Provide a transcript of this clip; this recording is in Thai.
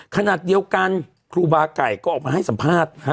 ขณะเดียวกันครูบาไก่ก็ออกมาให้สัมภาษณ์